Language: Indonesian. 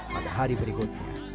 pada hari berikutnya